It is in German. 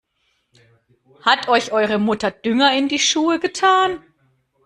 Hat euch eure Mutter Dünger in die Schuhe getan?